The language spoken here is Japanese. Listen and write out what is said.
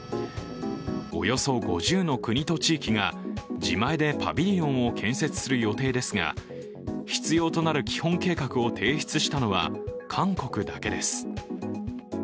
およそ５０の国と地域が自前でパビリオンを建設する予定ですが必要となる基本計画を提出したのは韓国だけです。